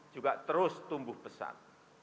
juga terus tumbuh besar